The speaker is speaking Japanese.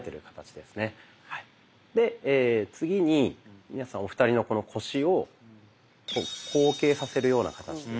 で次に皆さんお二人のこの腰をこう後傾させるような形で。